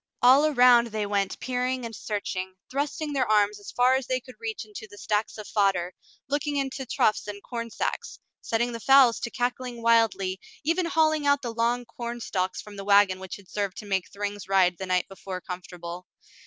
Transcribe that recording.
All around they went peering and searching, thrusting their arms as far as they could reach into the stacks of fodder, looking into troughs and corn sacks, setting the fowls to cackling wildly, even hauling out the long corn stalks from the wagon which had served to make Thryng's ride the night before comfortable.